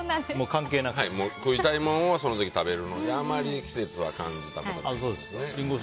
食いたいものをその時食べるのであまり季節は感じたことがないですね。